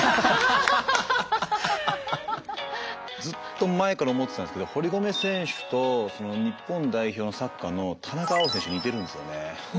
ずっと前から思ってたんですけど堀米選手と日本代表のサッカーの田中碧選手似てるんですよね。